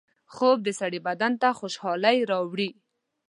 خوب د سړي بدن ته خوشحالۍ راوړي